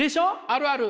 あるある。